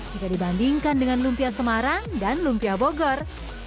jika dibandingkan dengan lumpia semarang dan lumpia bogor